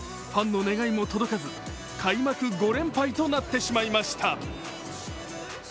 ファンの願いも届かず開幕５連敗となってしまいました。